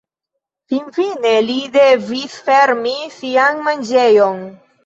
Finfine li devis fermi sian manĝejon.